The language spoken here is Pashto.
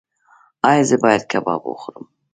ایا زه باید کباب وخورم؟